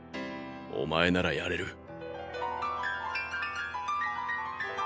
お前ならやれる！